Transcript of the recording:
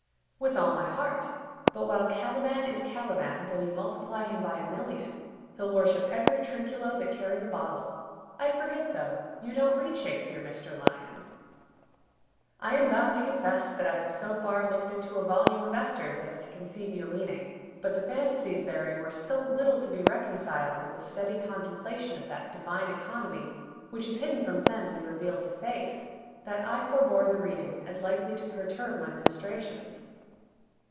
"With all my heart. But while Caliban is Caliban, though you multiply him by a million, he'll worship every Trinculo that carries a bottle. I forget, though you don't read Shakespeare, Mr. Lyon." "I am bound to confess that I have so far looked into a volume of Esther's as to conceive your meaning; but the fantasies therein were so little to be reconciled with a steady contemplation of that divine economy which is hidden from sense and revealed to faith, that I forbore the reading, as likely to perturb my ministrations."